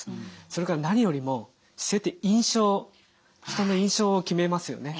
それから何よりも姿勢って人の印象を決めますよね。